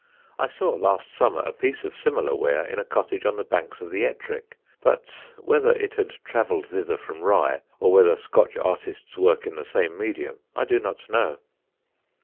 I saw last summer a piece of similar ware in a cottage on the banks of the Ettrick, but whether it had travelled thither from Rye, or whether Scotch artists work in the same medium, I do not know.